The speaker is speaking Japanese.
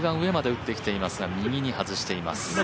上まで打ってきていますが右に外しています。